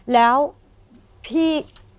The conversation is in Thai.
แล้วพี่